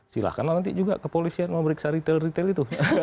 silahkan lah nanti juga ke polisi yang mau beriksa retail retail itu